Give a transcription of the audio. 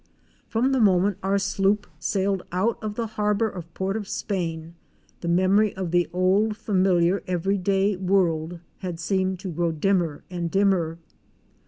From the moment our sloop sailed out of the harbor of Port of Spain the memory of the old familiar every day world had seemed to grow dimmer and dimmer.